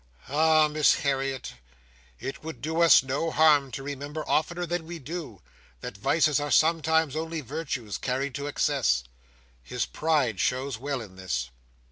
Ah, Miss Harriet, it would do us no harm to remember oftener than we do, that vices are sometimes only virtues carried to excess! His pride shows well in this."